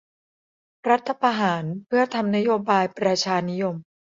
รัฐประหารเพื่อทำนโยบายประชานิยม